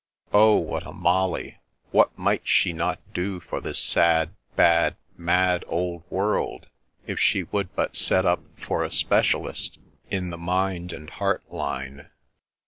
(Oh, what a Molly! What might she not do for this sad, bad, mad old world, if she would but set up for a specialist in the mind and heart line!)